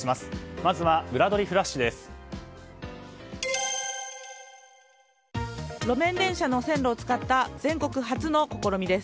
まずは裏取りフラッシュです。